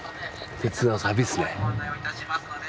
鉄のサビっすね。